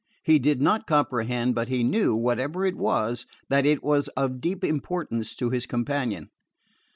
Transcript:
He did not comprehend, but he knew, whatever it was, that it was of deep importance to his companion.